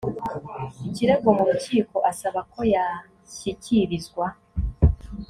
ikirego mu rukiko asaba ko yashyikirizwa